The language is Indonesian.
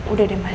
udah deh mas